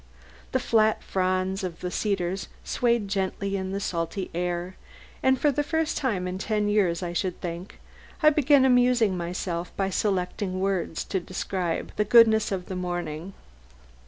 The flat fronds of the cedars swayed gently in the salty air, and for the first time in ten years, I should think, I began amusing myself by selecting words to describe the goodness of the morning.